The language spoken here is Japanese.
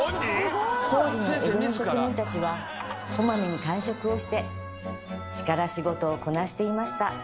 当時の江戸の職人たちはこまめに間食をして力仕事をこなしていました。